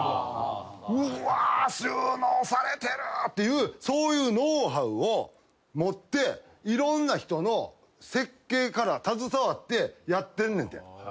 うわ収納されてるっていうそういうノウハウを持っていろんな人の設計から携わってやってんねんって。